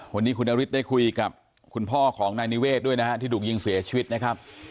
วันนี้คุณนฤทธิ์ได้คุยกับคุณพ่อของนายนิเวศด้วยนะฮะที่ถูกยิงเสียชีวิตนะครับ